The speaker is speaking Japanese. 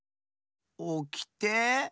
おきて？